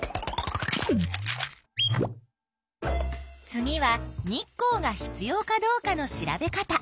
次は日光が必要かどうかの調べ方。